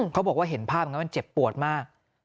เขาบอกว่าเห็นภาพมันเจ็บปวดมาก